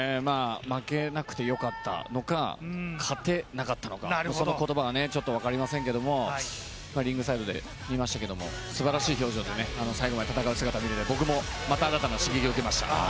負けなくてよかったのか勝てなかったのかその言葉は分かりませんけれども、リングサイドで見ましたけれどもすばらしい表情で最後まで戦う姿を見れて僕もまた新たな刺激を受けました。